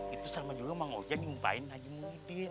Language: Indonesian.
itu sama juga mau ngajak nyumpain haji muhyiddin